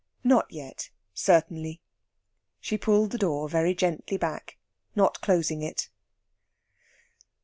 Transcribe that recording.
Not yet, certainly. She pulled the door very gently back, not closing it.